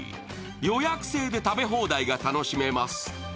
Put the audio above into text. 予約制で食べ放題が楽しめます。